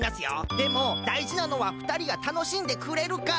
でもだいじなのはふたりがたのしんでくれるかですよね。